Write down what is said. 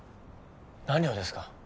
何をですか？